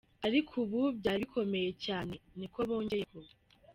ariko ubu vyari bikomeye cane," ni ko bongeyeko.